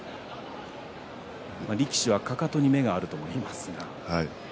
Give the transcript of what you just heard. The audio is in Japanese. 力士はかかとに目があるといいますが。